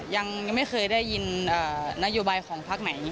ยังไม่เคยได้ยินนโยบายของพักไหน